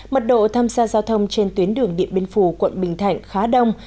mật độ tham gia giao thông trên tuyến đường điện biên phủ quận bình thạnh khá đông